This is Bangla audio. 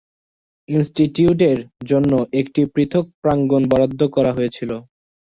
ইনস্টিটিউটের জন্য একটি পৃথক প্রাঙ্গণ বরাদ্দ করা হয়েছিল।